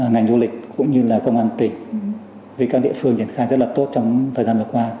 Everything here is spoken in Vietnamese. ngành du lịch cũng như là công an tỉnh với các địa phương triển khai rất là tốt trong thời gian vừa qua